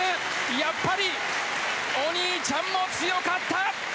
やっぱりお兄ちゃんも強かった！